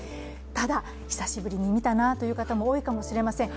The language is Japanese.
ただ久しぶりに見たなという方も多いかもしれません。